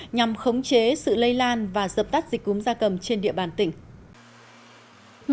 nhằm khống chế sự lây lan và dập tắt dịch cúm da cầm trên địa bàn tỉnh